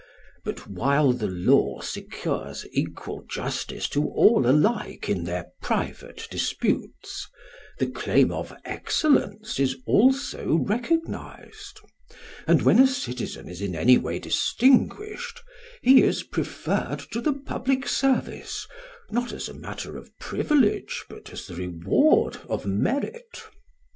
But while the law secures equal justice to all alike in their private disputes, the claim of excellence is also recognised; and when a citizen is in any way distinguished, he is preferred to the public service, not as a matter of privilege, but as the reward of merit.